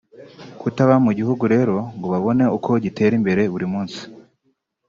Kutaba mu gihugu rero ngo babone uko gitera imbere buri munsi